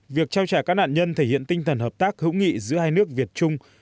việc trao trả các nạn nhân thể hiện tinh thần hợp tác hữu nghị giữa hai nước việt trung